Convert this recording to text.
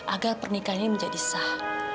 agar pernikahan ini menjadi sah